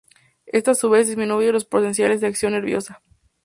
Esto a su vez, disminuye los potenciales de acción nerviosa.